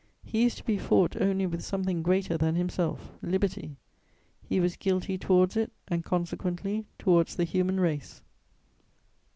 He is to be fought only with something greater than himself, liberty: he was guilty towards it and consequently towards the human race.